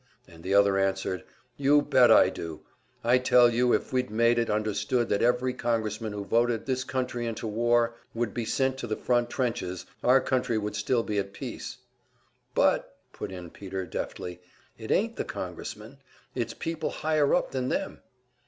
And the other answered: "You bet I do! I tell you if we'd made it understood that every congressman who voted this country into war would be sent to the front trenches, our country would still be at peace." "But," put in Peter, deftly, "it ain't the congressmen. It's people higher up than them."